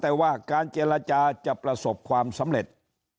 แต่ว่าการเจรจาจะประสบความสำเร็จ